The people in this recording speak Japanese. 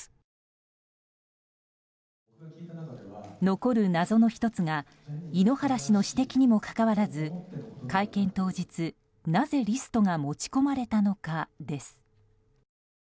残る謎の１つが井ノ原氏の指摘にもかかわらず会見当日、なぜリストが持ち込まれたのかです。